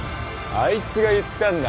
あいつが言ったんだ！